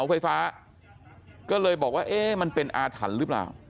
ไฟฟ้าก็เลยบอกว่าเอ๊ะมันเป็นอาถรรพ์หรือเปล่า